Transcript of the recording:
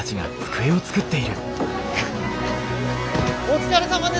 お疲れさまです。